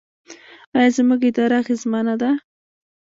آیا زموږ اداره اغیزمنه ده؟